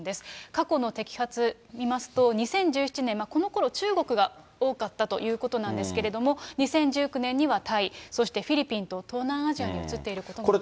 過去の摘発見ますと、２０１７年、このころ、中国が多かったということなんですけれども、２０１９年にはタイ、そしてフィリピンと、東南アジアに移っていることが分かります。